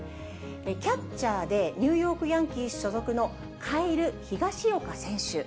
キャッチャーでニューヨークヤンキース所属のカイル・ヒガシオカ選手。